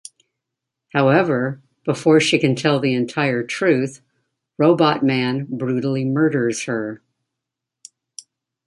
However, before she can tell the entire truth, Robotman brutally murders her.